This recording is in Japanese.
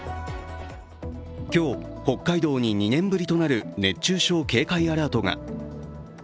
今日、北海道に２年ぶりとなる熱中症警戒アラートが。